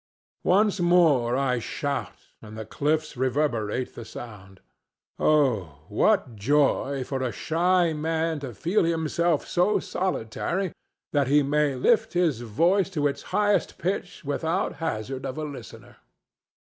Once more I shout and the cliffs reverberate the sound. Oh what joy for a shy man to feel himself so solitary that he may lift his voice to its highest pitch without hazard of a listener!